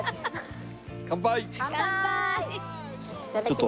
乾杯！